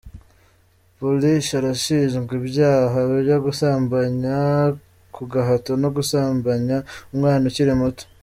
Paulish arashinjwa ibyaha byo gusambanya ku gahato no gusambanya umwana ukiri muto.